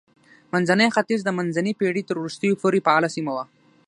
منځنی ختیځ د منځنۍ پېړۍ تر وروستیو پورې فعاله سیمه وه.